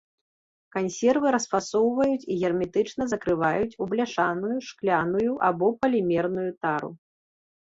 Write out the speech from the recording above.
Кансервы расфасоўваюць і герметычна закрываюць у бляшаную, шкляную або палімерную тару.